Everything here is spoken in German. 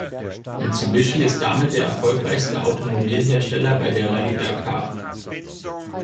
Mitsubishi ist damit der erfolgreichste Automobilhersteller bei der Rallye Dakar.